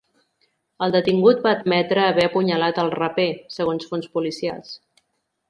El detingut va admetre haver apunyalat al raper, segons fonts policials.